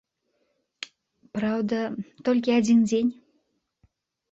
Праўда, толькі адзін дзень.